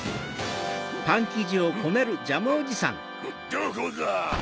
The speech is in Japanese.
どこだ！